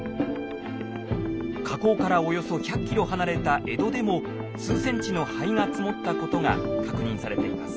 火口からおよそ１００ｋｍ離れた江戸でも数センチの灰が積もったことが確認されています。